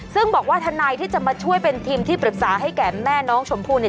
ซึ่งบอกว่าทนายที่จะมาช่วยเป็นทีมที่ปรึกษาให้แก่แม่น้องชมพู่เนี่ย